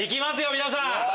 皆さん。